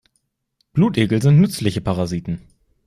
Blutegel sind nützliche Parasiten.